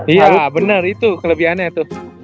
iya bener itu kelebihannya tuh